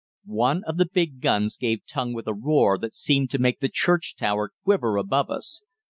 One of the big guns gave tongue with a roar that seemed to make the church tower quiver above us.